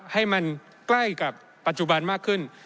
ให้มันใกล้กับปัจจุบันมากขึ้น